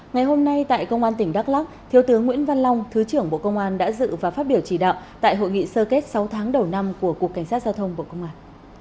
ngày hôm nay tại công an tỉnh đắk lắc thiếu tướng nguyễn văn long thứ trưởng bộ công an đã dự và phát biểu chỉ đạo tại hội nghị sơ kết sáu tháng đầu năm của cục cảnh sát giao thông bộ công an